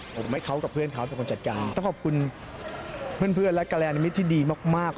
ผมให้เขากับเพื่อนเขาเป็นคนจัดการต้องขอบคุณเพื่อนและกรยานิมิตรที่ดีมาก